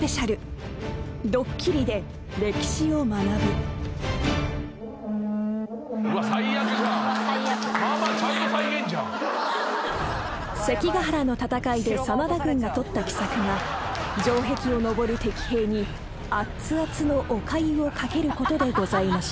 ピンポーン［関ケ原の戦いで真田軍が取った奇策が城壁を登る敵兵にあっつあつのおかゆをかけることでございました］